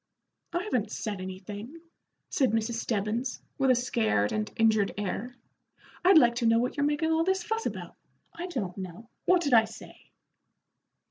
"I haven't said anything," said Mrs. Stebbins, with a scared and injured air. "I'd like to know what you're making all this fuss about? I don't know. What did I say?"